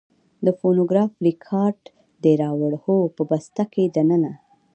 د فونوګراف رېکارډ دې راوړ؟ هو، په بسته کې دننه.